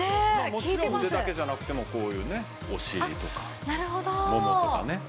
もちろん腕だけじゃなくてもこういうねお尻とかももとかね。